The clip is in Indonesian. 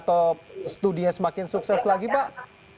atau studinya semakin sukses lagi pak